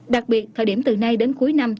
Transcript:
đặc biệt thời điểm từ nay đến cuối năm